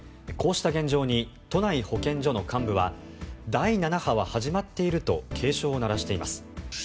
こうした現状に都内保健所の幹部は第７波は始まっていると警鐘を鳴らしています。